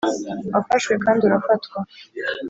wafashwe kandi urafatwa